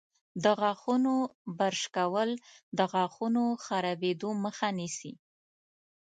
د غاښونو برش کول د غاښونو خرابیدو مخه نیسي.